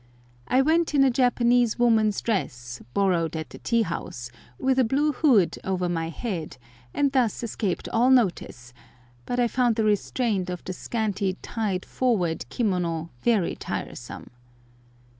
I went in a Japanese woman's dress, borrowed at the tea house, with a blue hood over my head, and thus escaped all notice, but I found the restraint of the scanty "tied forward" kimono very tiresome.